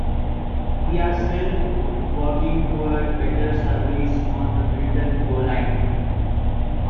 We are still working toward better service on the Milton Go line.